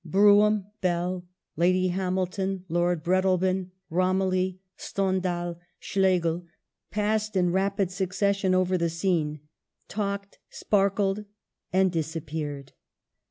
Brougham, Bell, Lady Hamilton, Lord Breadalbane, Romilly, Stendahl, Schlegel, passed in rapid succession over the scene — talked, sparkled — and disappear ed.